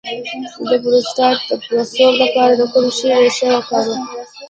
د پروستات د پړسوب لپاره د کوم شي ریښه وکاروم؟